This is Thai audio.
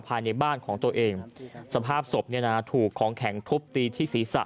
ภายในบ้านของตัวเองสภาพศพเนี่ยนะถูกของแข็งทุบตีที่ศีรษะ